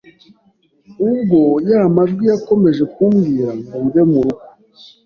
Ubwo ya majwi yakomeje kumbwira ngo mve mu rugo